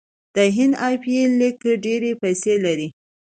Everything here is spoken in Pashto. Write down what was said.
د هند ای پي ایل لیګ ډیرې پیسې لري.